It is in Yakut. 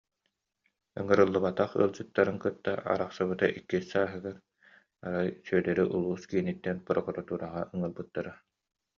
Ыҥырыллыбатах ыалдьыттарын кытта арахсыбыта иккис сааһыгар, арай, Сүөдэри улуус кииниттэн прокуратураҕа ыҥыттарбыттара